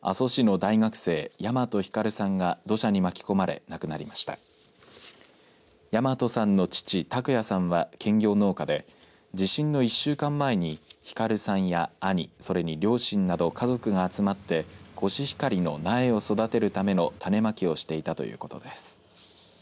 大和さんの父、卓也さんは兼業農家で地震の１週間前に晃さんや兄それに両親など家族が集まってコシヒカリの苗を育てるための種まきをしていたということです。